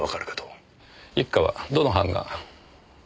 一課はどの班が？